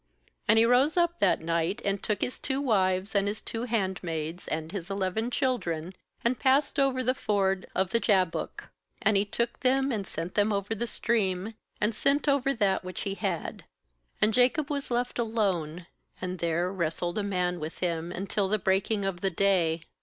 a That is, He who striveth utih God 40 he rose up that night, and took his two wives, and his two hand maids, and his eleven children, and passed over the ford of the Jabbok, ^And he took them, and sent them over the stream, and sent over that which he had. ^And Jacob was left alone; and there wrestled a man with him until the breaking of the day.